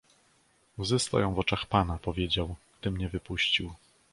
"Łzy stoją w oczach pana, powiedział, gdy mnie wypuścił."